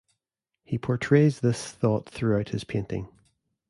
He portrays this thought throughout his painting.